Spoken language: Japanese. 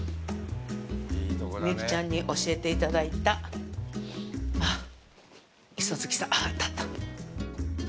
みゆきちゃんに教えていただいた、あっ、磯月さん、あった、あった！